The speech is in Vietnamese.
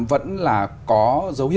vẫn là có dấu hiệu tích cực